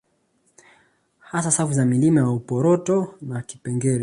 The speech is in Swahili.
Hasa safu za milima ya Uporoto na ya Kipengere